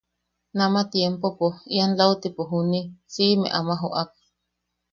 Nama tiempopo ian lautipo juni siʼime ama joʼak.